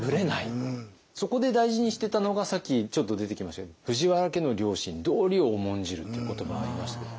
そこで大事にしてたのがさっきちょっと出てきましたけども藤原家の良心道理を重んじるっていう言葉がありましたけれども。